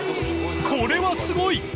［これはすごい！］